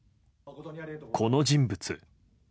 この人物。